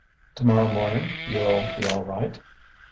"To morrow morning you'll be all right?"